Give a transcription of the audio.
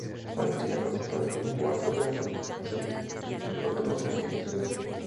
Agustín ha participado en cuatro grandes accidentes de automóvil en su vida.